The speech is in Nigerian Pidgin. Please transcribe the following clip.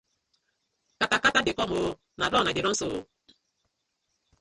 Katakata dey com ooo, na run I dey so ooo.